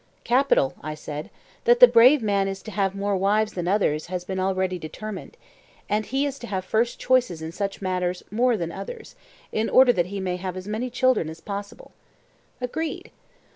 Capital, I said. That the brave man is to have more wives than others has been already determined: and he is to have first choices in such matters more than others, in order that he may have as many children as possible? Agreed.